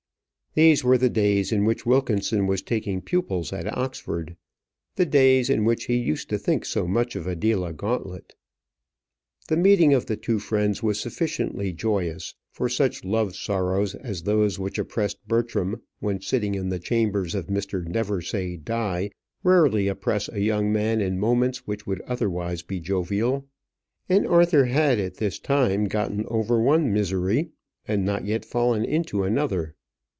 These were the days in which Wilkinson was taking pupils at Oxford, the days in which he used to think so much of Adela Gauntlet. The meeting of the two friends was sufficiently joyous; for such love sorrows as those which oppressed Bertram when sitting in the chambers of Mr. Neversaye Die rarely oppress a young man in moments which would otherwise be jovial. And Arthur had at this time gotten over one misery, and not yet fallen into another.